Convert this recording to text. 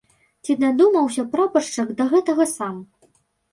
Ці дадумаўся прапаршчык да гэтага сам?